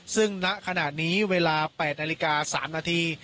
ซึ่งณขณะนี้เวลา๘นาฬิกา๓นาที